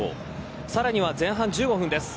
さらには前半１５分です。